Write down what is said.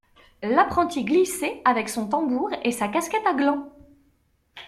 L'apprenti glissait avec son tambour et sa casquette à gland.